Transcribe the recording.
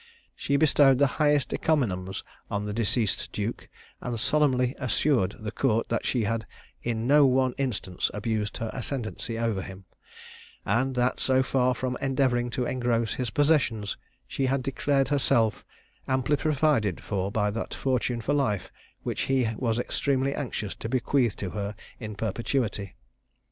She bestowed the highest encomiums on the deceased duke, and solemnly assured the Court that she had in no one instance abused her ascendency over him; and that so far from endeavouring to engross his possessions, she had declared herself amply provided for by that fortune for life which he was extremely anxious to bequeath to her in perpetuity.